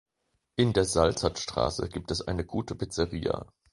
In der Salzertstraße gibt es eine gute Pizzeria.